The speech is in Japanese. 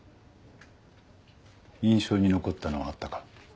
印象に残ったのはあったか？